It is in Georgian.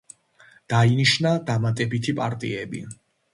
დაინიშნა დამატებითი პარტიები.